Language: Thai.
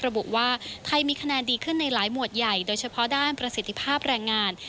ระบุว่าไทยมีคะแนนดีขึ้นในหลายหมวดใหญ่โดยเฉพาะด้านประสิทธิภาพแรงงาน